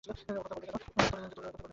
ও কথা বলবে এখন?